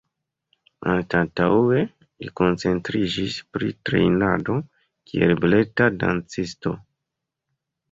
Anstataŭe li koncentriĝis pri trejnado kiel baleta dancisto.